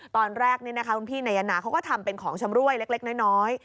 ตอนแรกคุณพี่นายนาเขาก็ทำเป็นของชำรวยเล็กน้อย